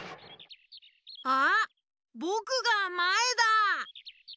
あっぼくがまえだ！